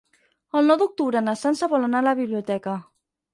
El nou d'octubre na Sança vol anar a la biblioteca.